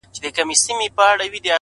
پرمختګ له ننني اقدام راټوکېږي.!